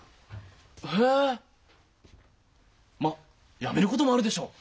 へえまっ辞めることもあるでしょう。